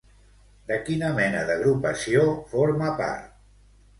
De quina mena d'agrupació forma part?